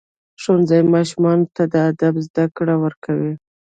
ښوونځی ماشومانو ته د ادب زده کړه ورکوي.